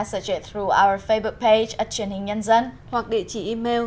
xin kính chào và hẹn gặp lại quý vị trong các chương trình tiếp theo